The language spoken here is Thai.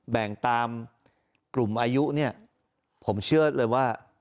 แบ่งตามกลุ่มอายุเนี่ยผมเชื่อเลยว่า